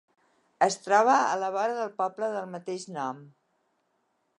Es troba a la vora del poble del mateix nom.